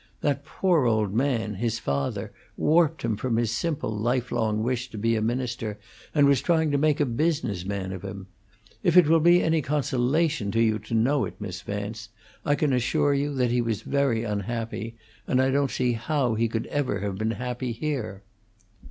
That poor old man, his father, warped him from his simple, lifelong wish to be a minister, and was trying to make a business man of him. If it will be any consolation to you to know it, Miss Vance, I can assure you that he was very unhappy, and I don't see how he could ever have been happy here."